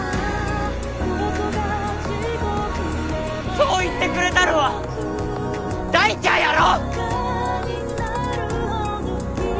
そう言ってくれたのは大ちゃんやろ？